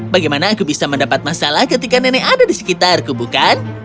bagaimana aku bisa mendapat masalah ketika nenek ada di sekitarku bukan